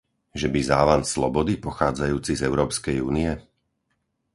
Že by závan slobody pochádzajúci z Európskej únie?